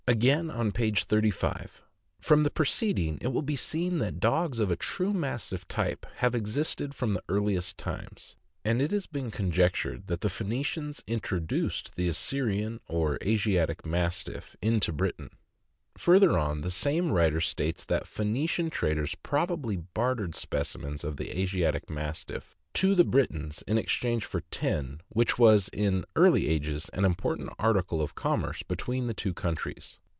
Again, on page 35: " From the preceding it will be seen that dogs of a true Mastiff type have existed from the earliest times, and it has been con jectured that the Phoenicians introduced the Assyrian or Asiatic Mastiff into Britain." Further on, the same writer states that Pho3nician traders probably bartered specimens of the Asiatic Mastiff to the Britons in exchange for tin, which was in early ages an important article of commerce between the two countries.